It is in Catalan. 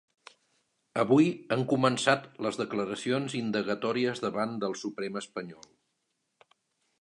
Avui han començat les declaracions indagatòries davant del Suprem espanyol.